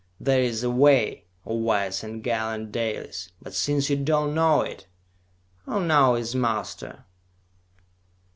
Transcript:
"There is a way, O wise and gallant Dalis! But since you do not know it, who now is master?"